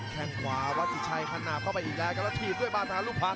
แข่งขวาวัดสินชัยขนาดเข้าไปอีกแล้วก็ละทีฝุ่ยมาบางทางลูกภัสด์